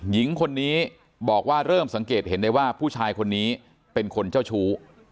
หญิงคนนี้บอกว่าเริ่มสังเกตเห็นได้ว่าผู้ชายคนนี้เป็นคนเจ้าชู้